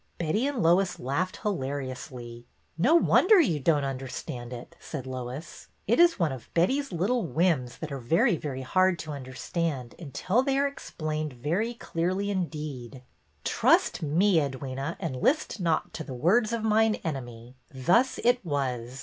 Betty and Lois laughed hilariously. No wonder you don't understand it," said Lois. It is one of Betty's little whims that are very, very hard to understand until they are ex plained very clearly indeed." '' Trust me, Edwyna, and list not to the words of mine enemy. Thus it was.